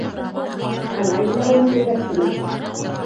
Ана килә уның күгәрсене!